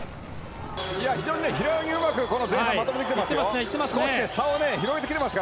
非常に平泳ぎ、うまくまとめてきてますよ。